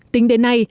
tính đến nay